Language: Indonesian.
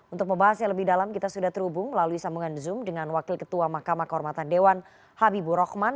untuk membahas yang lebih dalam kita sudah terhubung melalui sambungan zoom dengan wakil ketua mahkamah kehormatan dewan habibur rahman